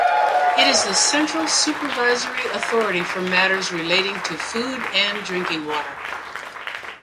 It is the central supervisory authority for matters relating to food and drinking water.